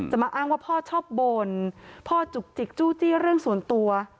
มาอ้างว่าพ่อชอบบ่นพ่อจุกจิกจู้จี้เรื่องส่วนตัว